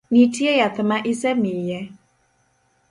Nitie yath ma isemiye?